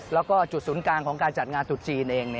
แล้วก็จุดศูนย์กลางของการจัดงานจุดจีนเอง